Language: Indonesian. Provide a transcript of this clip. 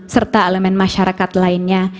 serta elemen masyarakat lainnya